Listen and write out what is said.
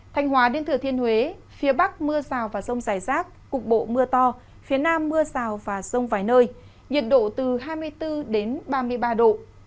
thành hóa đến thừa thiên huế phía bắc mưa xào và sông xảy rác cục bộ mưa to phía nam mưa xào và sông vài nơi nhiệt độ từ hai mươi bốn đến ba mươi ba độ